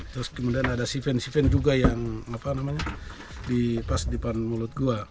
terus kemudian ada sifen sifen juga yang apa namanya di pas depan mulut gua